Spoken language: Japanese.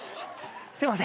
すいません。